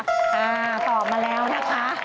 อ่าตอบมาแล้วนะคะ